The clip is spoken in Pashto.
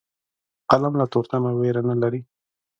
قلم له تورتمه ویره نه لري